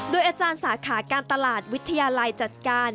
โดยอาจารย์สาขาการตลาดวิทยาลัยจัดการ